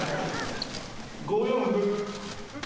５四歩。